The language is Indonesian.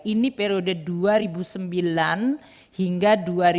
ini periode dua ribu sembilan hingga dua ribu dua puluh